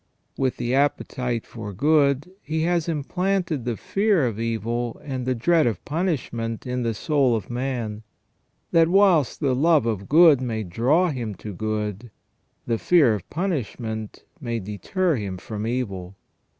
With the appetite for good He has implanted the fear of evil and the dread of punishment in the soul of man ; that whilst the love of good may draw him to good, the fear of punishment may deter him from evil.